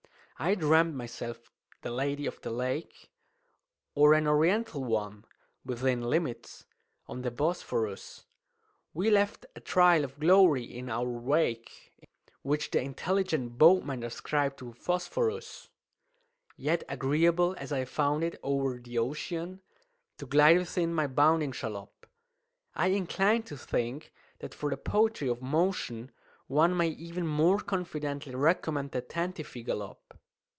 "I dream'd myself the Lady of the Lake, Or an Oriental one (within limits) on the Bosphorus; We left a trail of glory in our wake, Which the intelligent boatman ascribed to phosphorus. "Yet agreeable as I found it o'er the ocean To glide within my bounding shallop, I incline to think that for the poetry of motion One may even more confidently recommend the Tantivy Gallop."